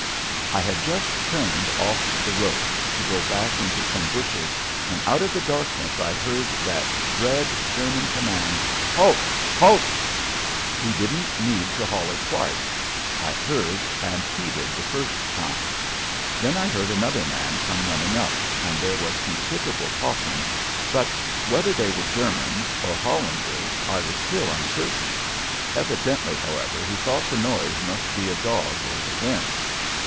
I had just turned off the road to go back into some bushes when out of the darkness I heard that dread German command: "Halt! Halt!" He didn't need to holler twice. I heard and heeded the first time. Then I heard another man come running up, and there was considerable talking, but whether they were Germans or Hollanders I was still uncertain. Evidently, however, he thought the noise must be a dog or the wind.